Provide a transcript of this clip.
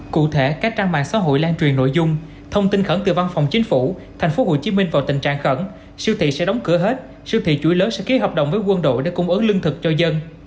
cụ thể các trang mạng xã hội lan truyền nội dung thông tin khẩn từ văn phòng chính phủ tp hcm vào tình trạng khẩn siêu thị sẽ đóng cửa hết siêu thị chuỗi lớn sẽ ký hợp đồng với quân đội để cung ứng lương thực cho dân